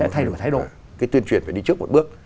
thay đổi cái tuyên truyền phải đi trước một bước